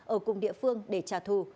ở cùng địa phương để trả thù